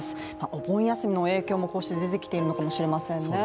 お盆休みの影響もこうして出てきているのかもしれませんね。